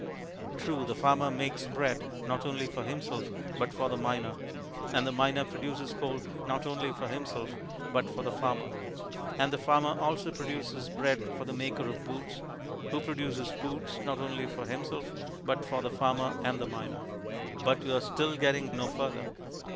True, the farmer makes bread, not only for himself, but for the miner; and the miner produces coal not only for himself, but for the farmer; and the farmer also produces bread for the maker of boots, who produces boots, not only for himself, but for the farmer and the miner. But you are still getting no further.